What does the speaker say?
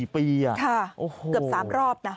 ๔ปีเกือบ๓รอบนะ